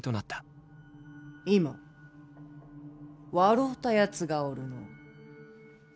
今笑うたやつがおるの。